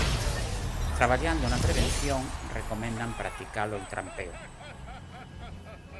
Traballando na prevención recomendan practicar o trampeo.